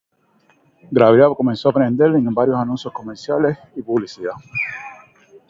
Gabriel comenzó por aparecer en varios anuncios comerciales y publicidad.